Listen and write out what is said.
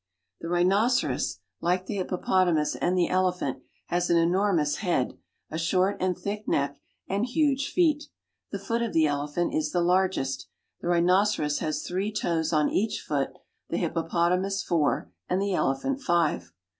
The rhinoceros, like the hippopotamus and the elephant has an anormous head, a short and thick neck, and huge feet. The foot of the elephant is the largest. The rhi y noceros has three toes on each foot, the hippopotamus four, Bid the elephant five.